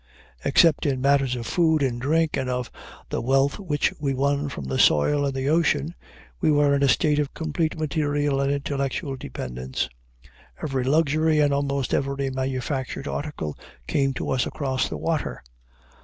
Except in matters of food and drink, and of the wealth which we won from the soil and the ocean, we were in a state of complete material and intellectual dependence. Every luxury, and almost every manufactured article, came to us across the water.